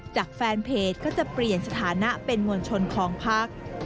จากแฟนเพจก็จะเปลี่ยนสถานะเป็นมวลชนของพัก